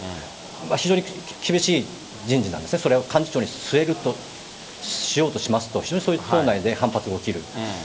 非常に厳しい人事なんですね、それを幹事長に据えるとしようとしますと、非常にそういう党内で反発が起きる。